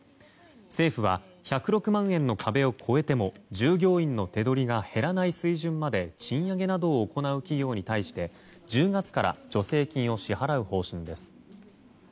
政府は１０６万円の壁を超えても従業員の手取りが減らない水準まで賃上げなどを行う企業に対して１０月から助成金を支払う方針です。